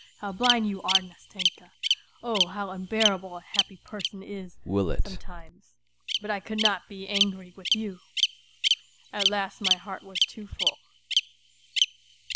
How blind you are, Nastenka !... Oh, how unbearable a happy person is sometimes ! But I could not be angry with you !") At last my heart was too full.